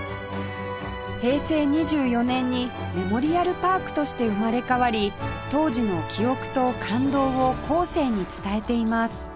平成２４年にメモリアルパークとして生まれ変わり当時の記憶と感動を後世に伝えています